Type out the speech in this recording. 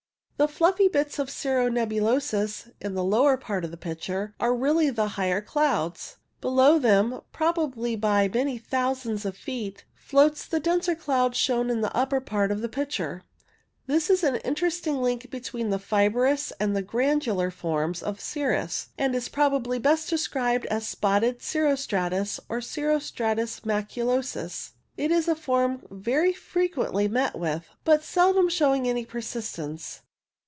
The fluffy bits of cirrus nebulosus, in the lower part of the picture, are really the higher clouds. Below them, probably by many thousands of feet, floats the denser cloud shown in the upper part of the picture. This is an interesting link between the fibrous and the granular forms of cirrus, and is probably best described as spotted cirro stratus, or cirro stratus maculosus. It is a form very frequently met with, but seldom showing any persistence.